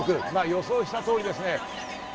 予想した通りですね。